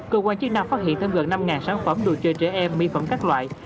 cơ quan chức năng phát hiện thêm gần năm sản phẩm đồ chơi trẻ em mỹ phẩm các loại